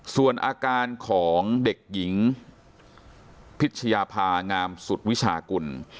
ส่วนอาการของเด็กหญิงพิชยาภางามสุดวิชากุล